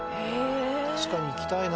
確かに行きたいな。